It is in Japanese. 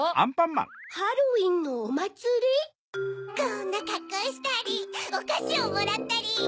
こんなかっこうしたりおかしをもらったり。